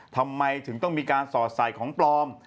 ทำไมถึงต้องมีการสอดใส่ของปลอม